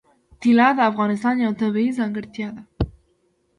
طلا د افغانستان یوه طبیعي ځانګړتیا ده.